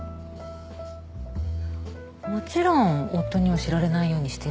もちろん夫には知られないようにしてるわよ。